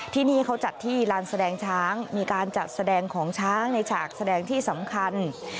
ที่นี่เขาจัดที่ลานแสดงช้างมีการจัดแสดงของช้างในฉากแสดงที่สำคัญ